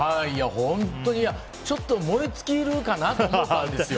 本当に、ちょっと燃え尽きるかなと思ったんですよ。